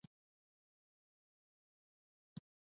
پاچا خلکو ته کاري فرصتونه نشي برابرولى.